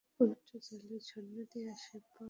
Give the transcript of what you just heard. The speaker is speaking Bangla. পবিত্র জলের ঝরনা দিয়ে আশীর্বাদ চাইব।